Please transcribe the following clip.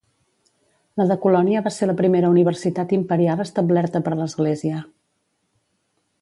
La de Colònia va ser la primera universitat imperial establerta per l'Església.